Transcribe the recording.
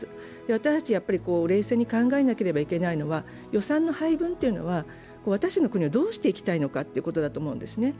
私たちは冷静に考えなければいけないのは予算の配分というのは、私たちの国はどうしていきたいのかということだと思います。